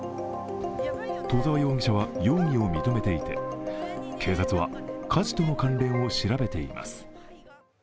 戸澤容疑者は容疑を認めていて警察は火事との関連を調べています。